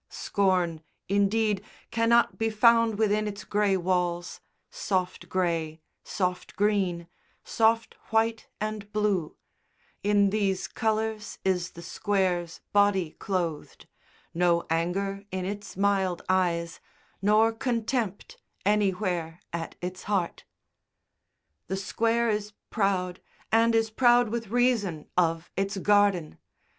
Scorn, indeed, cannot be found within its grey walls, soft grey, soft green, soft white and blue in these colours is the Square's body clothed, no anger in its mild eyes, nor contempt anywhere at its heart. The Square is proud, and is proud with reason, of its garden.